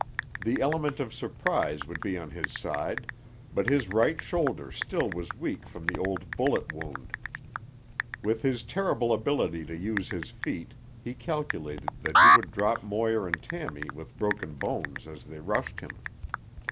The element of surprise would be on his side, but his right shoulder still was weak from the old bullet wound. With his terrible ability to use his feet he calculated that he could drop Moir and Tammy with broken bones as they rushed him.